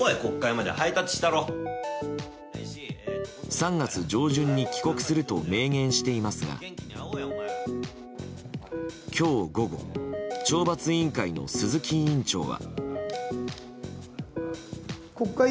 ３月上旬に帰国すると明言していますが今日午後懲罰委員会の鈴木委員長は。